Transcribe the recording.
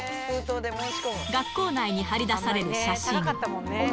学校内に張り出される写真。